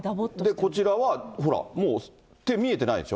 こちらはほら、もう、手見えてないでしょ。